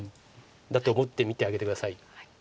だと思って見てあげて下さい。